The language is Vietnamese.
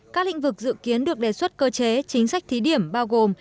các lĩnh vực dự kiến được đề xuất cơ chế chính sách thí điểm bao gồm